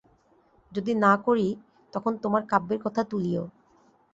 যদি না করি, তখন তোমার কাব্যের কথা তুলিয়ো।